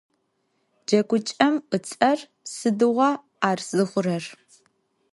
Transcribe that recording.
Джэгукӏэм ыцӏэр: «Сыдигъуа ар зыхъурэр?».